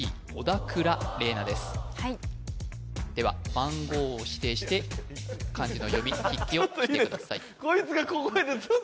番号を指定して漢字の読み筆記をしてください